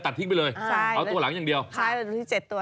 เอาตัวหลังอย่างเดียว